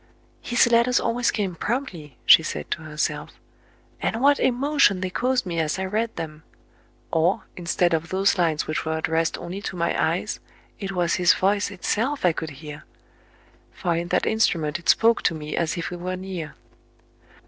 " His letters always came promptly," she said to herself ;" and what emotion they caused me as I read them ! Or, instead of those lines which were addressed only to my eyes, it was his voice itself I could hear ; for in that instrument it spoke to me as if he were near."